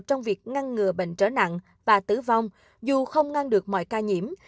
trong việc ngăn ngừa bệnh trở nặng và tử vong dù không ngăn được mọi ca nhiễm